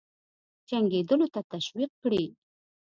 جنګېدلو ته تشویق کړي.